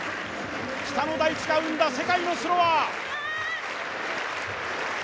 北の大地が生んだ、世界のスローワー。